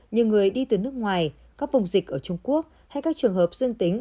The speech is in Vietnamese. như người đi từ nước ngoài các vùng dịch ở trung quốc hay các trường hợp dương tính